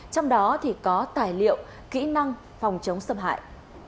trong đó thì có tài liệu kỹ năng phòng chống xâm hại